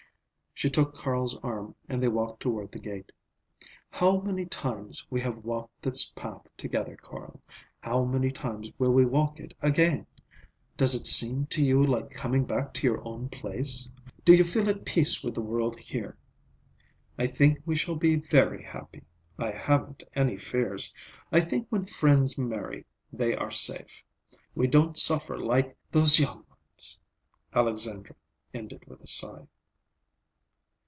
She took Carl's arm and they walked toward the gate. "How many times we have walked this path together, Carl. How many times we will walk it again! Does it seem to you like coming back to your own place? Do you feel at peace with the world here? I think we shall be very happy. I haven't any fears. I think when friends marry, they are safe. We don't suffer like—those young ones." Alexandra ended with a sigh.